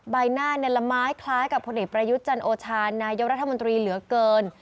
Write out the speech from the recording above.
ใบหน้าละไม้คล้ายกับผลเอกประยุทธ์จันโอชานายกรัฐมนตรีเหลือเกิน